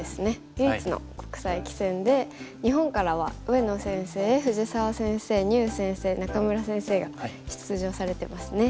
唯一の国際棋戦で日本からは上野先生藤沢先生牛先生仲邑先生が出場されてますね。